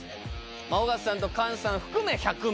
尾形さんと菅さん含め１００名。